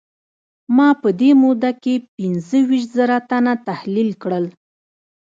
ما په دې موده کې پينځه ويشت زره تنه تحليل کړل.